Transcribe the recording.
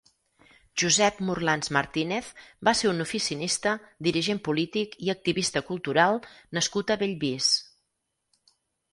Josep Morlans Martínez va ser un oficinista, dirigent polític i activista cultural nascut a Bellvís.